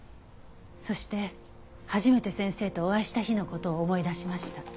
そして初めて先生とお会いした日の事を思い出しました。